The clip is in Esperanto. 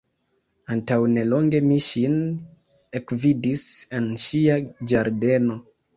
Antaŭnelonge mi ŝin ekvidis en ŝia ĝardeno.